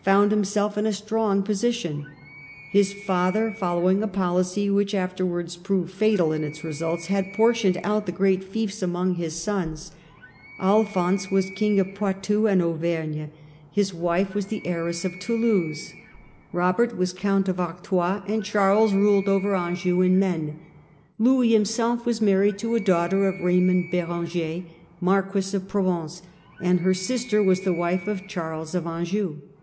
found himself in a strong position. His father, follow ing a policy which afterwards proved fatal in its results, had portioned out the great fiefs among his sons. Al phonse was Count of Poitou and Auvergne; his wife 200 THE CENTRAL PERIOD OF THE MIDDLE AGE was the heiress of Toulouse. Kobert was Count of Artois, and Charles ruled over Anjou and Maine. Louis himself was married to a daughter of Raymond Berenger, Marquis of Provence, and her sister was the wife of Charles of Anjou.